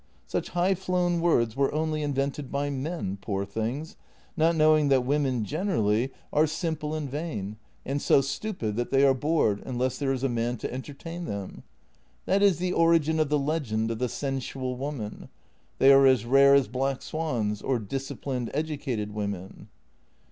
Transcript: Such high flown words were only invented by men, poor things, not knowing that women generally are JENNY 104 simple and vain, and so stupid that they are bored unless there is a man to entertain them. That is the origin of the legend of the sensual woman — they are as rare as black swans, or disciplined, educated women.